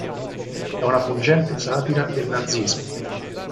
È una pungente satira del nazismo.